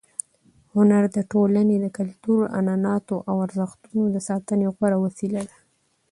هنر د ټولنې د کلتور، عنعناتو او ارزښتونو د ساتنې غوره وسیله ده.